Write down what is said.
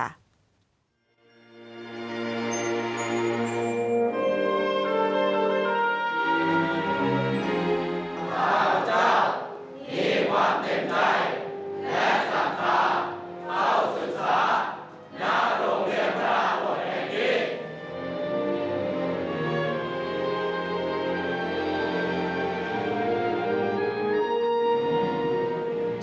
ข้าเจ้ามีความเต็มใจและสังฆาตเข้าศึกษาณโรงเรียนพระอบทแห่งนี้